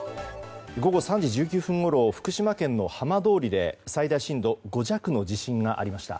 午後３時１９分ごろ福島県の浜通りで最大震度５弱の地震がありました。